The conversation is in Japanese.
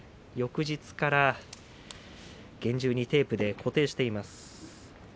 翌日から厳重にテープで固定しています。